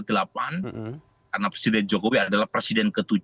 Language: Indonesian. karena presiden jokowi adalah presiden ke tujuh